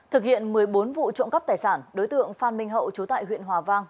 thực hiện một mươi bốn vụ trộm cắp tài sản đối tượng phan minh hậu chú tại huyện hòa vang